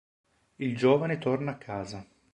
Il giovane torna a casa.